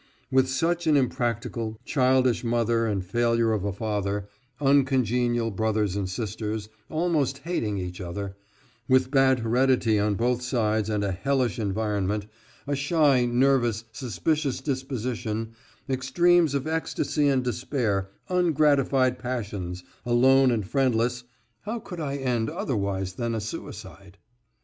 With such an impractical, childish mother and failure of a father, uncongenial brothers and sisters, almost hating each other, with bad heredity on both sides and a hellish environment, a shy nervous, suspicious disposition, extremes of ecstasy and despair, ungratified passions, alone and friendless, how could I end otherwise than a suicide?